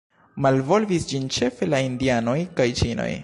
Malvolvis ĝin ĉefe la Indianoj kaj Ĉinoj.